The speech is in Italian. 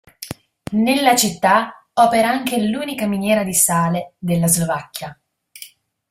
Nella città opera anche l'unica miniera di sale della Slovacchia.